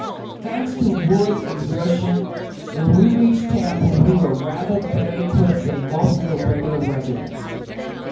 Thanks to Wood's exertions, when we reached Tampa we were rather better equipped than most of the regular regiments.